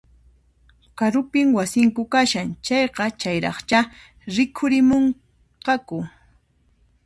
Karupin wasinku kashan, chayqa chayraqchá rikurimunqaku